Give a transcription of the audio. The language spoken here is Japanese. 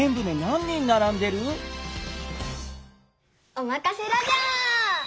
おまかせラジャー！